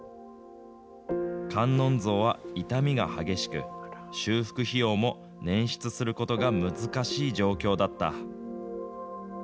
観音像は傷みが激しく、修復費用も捻出することが難しい状況だった。